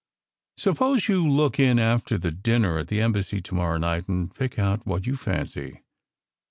Suppose you look in after the dinner at the Embassy to morrow night, and pick out what you fancy.